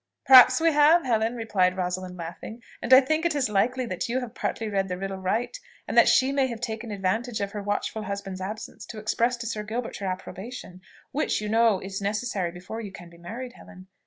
"Perhaps we have, Helen," replied Rosalind, laughing: "and I think it likely that you have partly read the riddle right, and that she may have taken advantage of her watchful husband's absence to express to Sir Gilbert her approbation, which, you know, is necessary before you can be married, Helen."